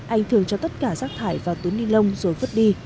anh thường cho tất cả rác thải vào túi ni lông rồi vứt đi